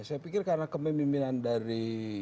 saya pikir karena kepemimpinan dari